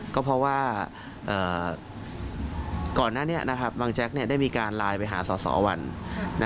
ก็เพราะว่าก่อนหน้านี้บางแจ๊กได้มีการไลน์ไปหาสอสอวัน